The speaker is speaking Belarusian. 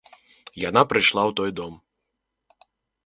Яна прыйшла ў той дом.